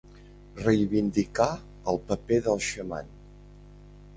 Reivindicà el paper del xaman.